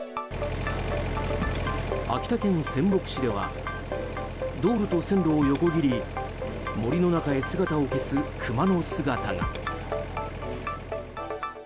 秋田県仙北市では道路と線路を横切り森の中へ姿を消すクマの姿が。